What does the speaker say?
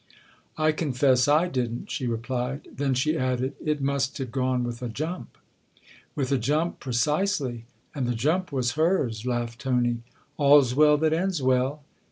" I confess I didn't," she replied. Then she added : "It must have gone with a jump !"" With a jump, precisely and the jump was hers !" laughed Tony. " All's well that ends well